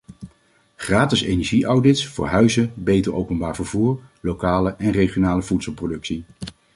Gratis energie-audits voor huizen, beter openbaar vervoer, lokale en regionale voedselproductie.